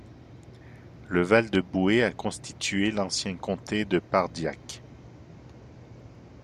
Le val du Bouès a constitué l'ancien comté de Pardiac.